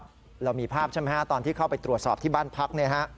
เรามีภาพใช่ไหมตอนที่เข้าไปตรวจสอบที่บ้านพัก